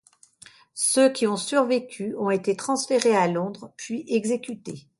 Ceux qui ont survécu ont été transférés à Londres, puis exécutés.